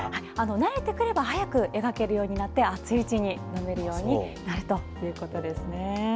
慣れてくれば早く描けるようになり熱いうちに飲めるようになるということです。